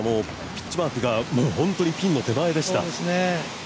ピッチワークが本当にピンの手前でした。